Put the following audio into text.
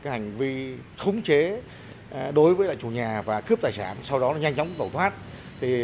hành vi khống chế đối với lại chủ nhà và cướp tài sản sau đó nhanh chóng tẩu thoát